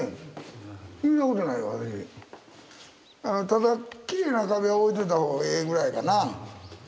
ただきれいな壁は置いといた方がええぐらいかな。